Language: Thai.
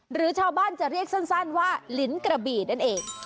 หรือชาวบ้านจะเรียกสั้นว่าลิ้นกระบี่นั่นเอง